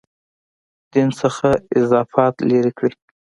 دین څخه اضافات لرې کړي.